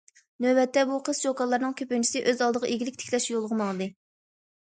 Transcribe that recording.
نۆۋەتتە، بۇ قىز- چوكانلارنىڭ كۆپىنچىسى ئۆز ئالدىغا ئىگىلىك تىكلەش يولىغا ماڭدى.